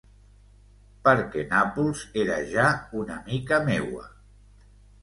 Perquè Nàpols era ja una mica meua.